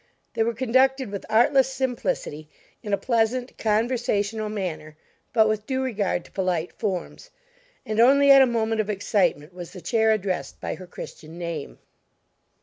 They were conducted with artless simplicity, in a pleasant, conversational manner, but with due regard to polite forms; and only at a moment of excitement was the chair addressed by her Christian name.